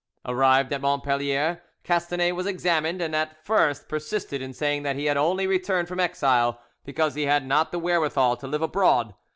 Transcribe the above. Arrived at Montpellier, Castanet was examined, and at first persisted in saying that he had only returned from exile because he had not the wherewithal to live abroad.